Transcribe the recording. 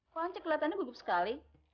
kok ceklatannya gugup sekali